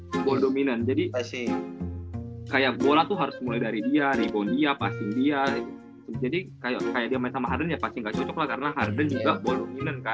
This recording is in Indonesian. play play nggak ball dominant jadi kayak bola tuh harus mulai dari dia regon dia pasti dia jadi kayak dia main sama harden ya pasti nggak cocok lah karena harden juga ball dominant kan